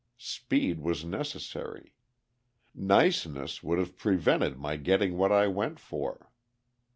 Speed was necessary. "Niceness" would have prevented my getting what I went for.